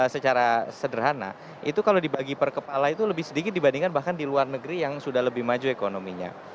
secara sederhana itu kalau dibagi per kepala itu lebih sedikit dibandingkan bahkan di luar negeri yang sudah lebih maju ekonominya